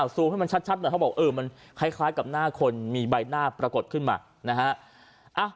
ซูมให้มันชัดหน่อยเขาบอกเออมันคล้ายกับหน้าคนมีใบหน้าปรากฏขึ้นมานะฮะ